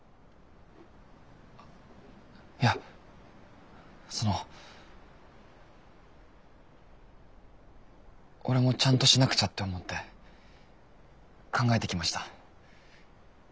いやその俺もちゃんとしなくちゃって思って考えてきました。